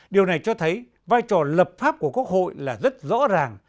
điều này cho thấy vai trò lập pháp của quốc hội là rất rõ ràng